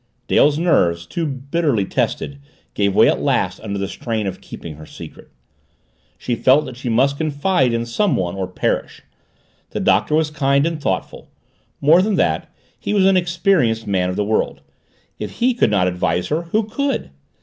Dale's nerves, too bitterly tested, gave way at last under the strain of keeping her secret. She felt that she must confide in someone or perish. The Doctor was kind and thoughtful more than that, he was an experienced man of the world if he could not advise her, who could?